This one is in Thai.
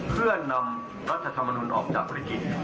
เพื่อนำรัฐธรรมนุนออกจากธุรกิจ